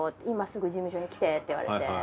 今すぐ事務所に来てって言われて。